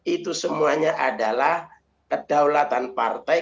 itu semuanya adalah kedaulatan partai